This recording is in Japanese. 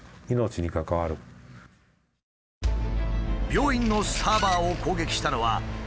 病院のサーバーを攻撃したのは恐ろしい。